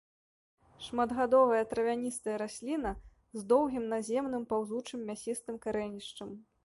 Шматгадовая травяністая расліна з доўгім наземным паўзучым мясістым карэнішчам.